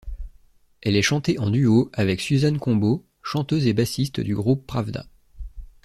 Elle est chantée en duo avec Suzanne Combeaud, chanteuse et bassiste du groupe Pravda.